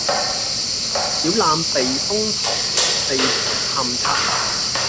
小欖避風塘地盤勘測